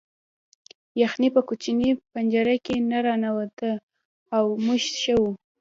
یخني په کوچنۍ پنجره نه راننوته او موږ ښه وو